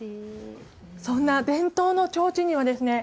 そんな伝統のちょうちんにはですね